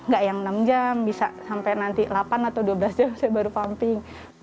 gak yang enam jam bisa sampai nanti delapan atau dua belas jam saya baru pumping